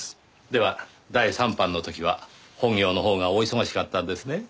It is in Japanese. では第三版の時は本業のほうがお忙しかったんですね？